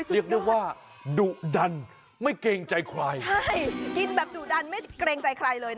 เรียกว่าดุดันไม่เกรงใจใคร